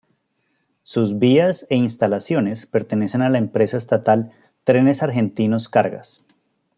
Sus vías e instalaciones pertenecen a la empresa estatal Trenes Argentinos Cargas.